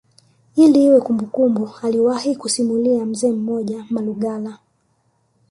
Ili iwe kumbukumbu aliwahi kusimulia mzee mmoja Malugala